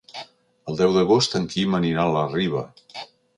El deu d'agost en Quim anirà a la Riba.